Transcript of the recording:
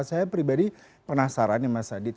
saya pribadi penasaran ya mas adit